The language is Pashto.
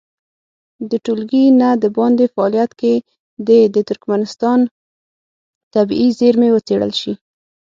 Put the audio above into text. د ټولګي نه د باندې فعالیت کې دې د ترکمنستان طبیعي زېرمې وڅېړل شي.